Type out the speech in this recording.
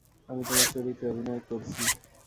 আমি তোমার চরিত্রে অভিনয় করছি।